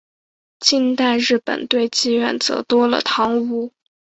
近代日本对妓院则多了汤屋。